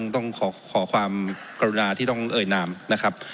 ต้องขอความกรุณาที่ต้องเอ่ยนามนะครับ